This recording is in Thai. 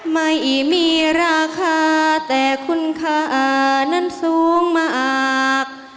ไม่มีราคาแต่คุณค่านั้นสูงมาก